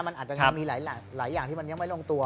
มันอาจจะยังมีหลายอย่างที่มันยังไม่ลงตัว